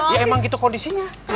ya emang gitu kondisinya